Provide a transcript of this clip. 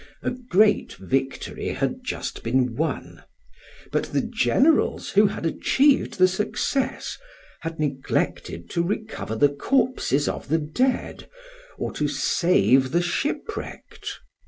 A great victory had just been won; but the generals who had achieved the success had neglected to recover the corpses of the dead or to save the ship wrecked.